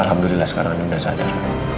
alhamdulillah sekarang ini sudah sadar